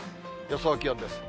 予想気温です。